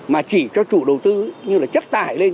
mà chỉ cho chủ đầu tư như là chất tải lên